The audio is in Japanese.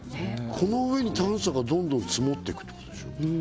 この上に炭素がどんどん積もってくってことでしょ